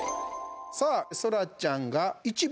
そらちゃんが１番。